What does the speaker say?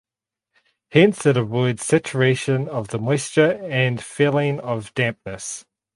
Hence it avoids saturation of the moisture and feeling of dampness.